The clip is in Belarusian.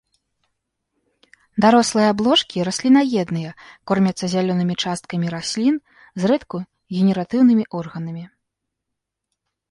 Дарослыя блошкі раслінаедныя, кормяцца зялёнымі часткамі раслін, зрэдку генератыўнымі органамі.